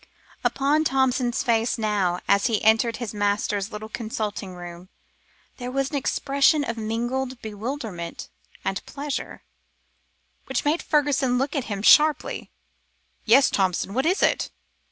Upon Thompson's face now, as he entered his master's little consulting room, there was an expression of mingled bewilderment and pleasure, which made Fergusson look at him sharply. "Yes, Thompson, what is it?"